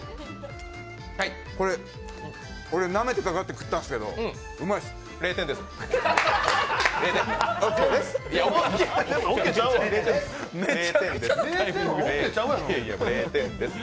これ、俺、なめてかかって食ったんですけど、うまいっす。